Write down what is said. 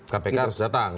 kpk harus datang